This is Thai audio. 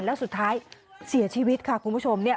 แล้วสุดท้ายเสียชีวิตค่ะคุณผู้ชมเนี่ย